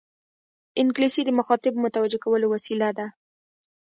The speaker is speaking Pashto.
انګلیسي د مخاطب متوجه کولو وسیله ده